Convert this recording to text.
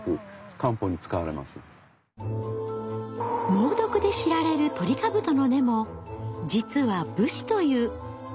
猛毒で知られるトリカブトの根も実は「附子」という立派な生薬。